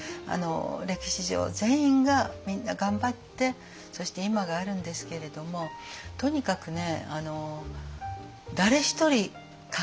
歴史上全員がみんな頑張ってそして今があるんですけれどもとにかくね